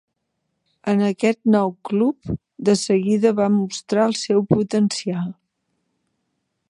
En aquest nou club, de seguida va mostrar el seu potencial.